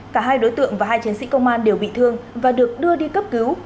cả hai đối tượng và hai chiến sĩ công an đều bị thương và được đưa đi cấp cứu